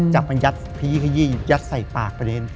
จับมายัดพี่ขยี่ยัดใส่ปากไปเลย